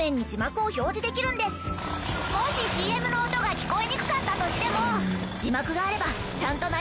もしＣＭの音が聞こえにくかったとしても。